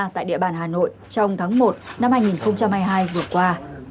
tại địa bàn hà nội trong tháng một năm hai nghìn hai mươi hai vừa qua